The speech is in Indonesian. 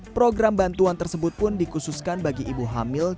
program bantuan tersebut pun dikhususkan bagi ibu hamil